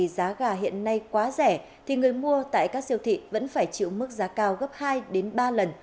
giá gà hiện nay quá rẻ thì người mua tại các siêu thị vẫn phải chịu mức giá cao gấp hai ba lần